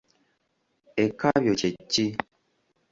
Ekkabyo kye ki?